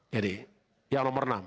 jadi yang nomor enam